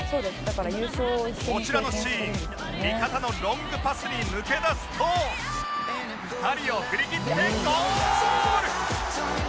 こちらのシーン味方のロングパスに抜け出すと２人を振り切ってゴール！